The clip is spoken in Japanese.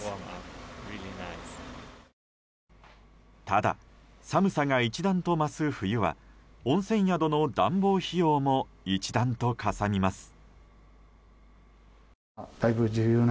ただ、寒さが一段と増す冬は温泉宿の暖房費用も一段とかさみます。